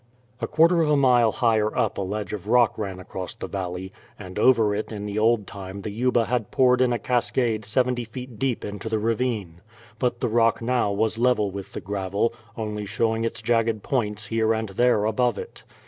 A quarter of a mile higher up a ledge of rock ran across the valley, and over it in the old time the Yuba had poured in a cascade seventy feet deep into the ravine. But the rock now was level with the gravel, only showing its jagged points here and there above it.